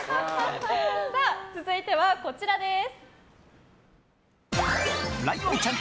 続いてはこちらです。